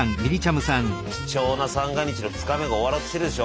貴重な三が日の２日目が終わろうとしてるでしょ。